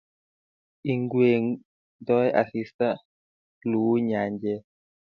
Ingwengtoi asista, luu nyanjet